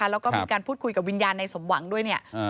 แล้วก็มีการพูดคุยกับวิญญาณในสมหวังด้วยเนี่ย